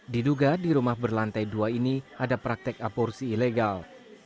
diduga di rumah berlantai dua ini ada praktek aborsi ilegal